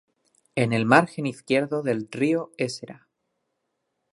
En el margen izquierdo del río Ésera.